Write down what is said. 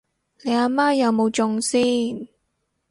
你阿媽有冇中先？